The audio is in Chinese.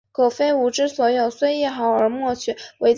康熙五十年任福建巡抚。